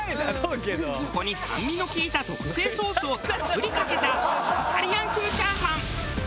そこに酸味の利いた特製ソースをたっぷりかけたイタリアン風チャーハン。